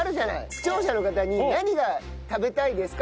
視聴者の方に何が食べたいですか？